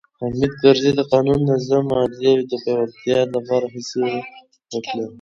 حامد کرزي د قانون، نظم او عدلیې د پیاوړتیا لپاره هڅې وکړې.